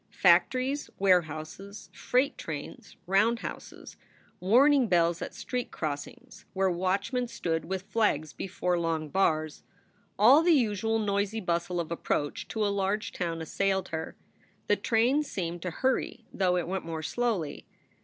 Factories, warehouses, freight trains, roundhouses, warning bells at street crossings where watchmen stood with flags before long bars, all the usual noisy bustle of approach to a large town assailed her. The train seemed to hurry, though it went more slowly.